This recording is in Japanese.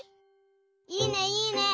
いいねいいね。